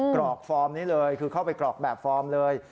กรอกฟอร์มนี้เลยคือเข้าไปกรอกแบบฟอร์มเลย